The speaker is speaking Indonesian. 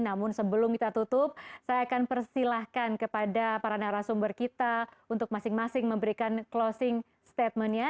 namun sebelum kita tutup saya akan persilahkan kepada para narasumber kita untuk masing masing memberikan closing statementnya